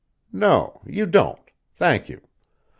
No, you don't. Thank you.